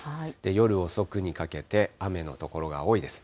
夜遅くにかけて雨の所が多いです。